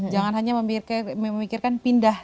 jangan hanya memikirkan pindah